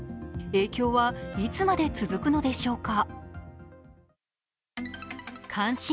影響はいつまで続くのでしょうか。